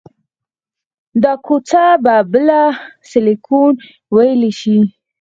دا کوڅه به بله سیلیکون ویلي شي